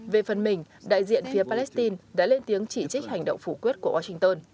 về phần mình đại diện phía palestine đã lên tiếng chỉ trích hành động phủ quyết của washington